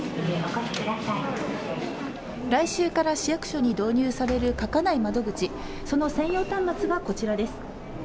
来週から市役所に導入される書かない窓口その専用端末はこちらです。